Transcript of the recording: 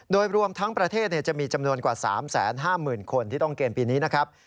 โดยรวมทั้งประเทศจะมีจำนวนกว่า๓๕๐๐๐คนที่ต้องเกณฑ์ปีนี้นะครับ